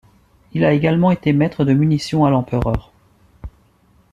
Il a également été maître de munitions à l'empereur.